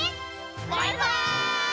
バイバイ！